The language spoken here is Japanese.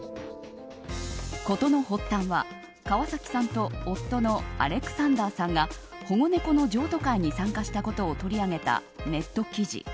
事の発端は川崎さんと夫のアレクサンダーさんが保護猫の譲渡会に参加したことを取り上げたネット記事。